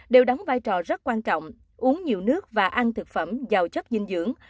đều đóng vai trò rất quan trọng uống nhiều nước và ăn thực phẩm giàu chất dinh dưỡng